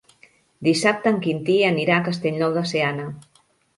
Dissabte en Quintí anirà a Castellnou de Seana.